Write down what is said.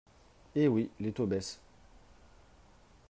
Eh oui, les taux baissent